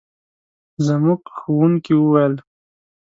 زموږ ښوونکي وویل.